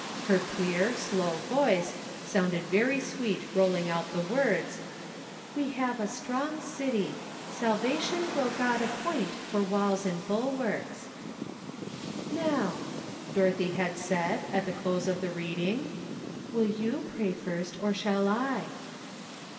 Her clear, slow voice sounded very sweet rolling out the words :'' We have a strong city ; salvation will God appoint for walls and bulwarks." "Now," Dorothy had said, at the close of the reading, '' will you pray first, or shall I